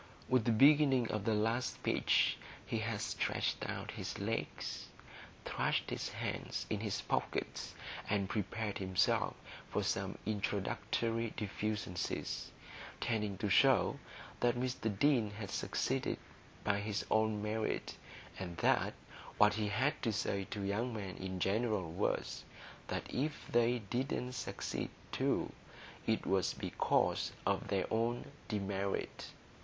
With the beginning of the last speech he had stretched out his legs, thrust his hands in his pockets, and prepared himself for some introductory diffuseness, tending to show that Mr Deane had succeeded by his own merit, and that what he had to say to young men in general was, that if they didn't succeed too it was because of their own demerit.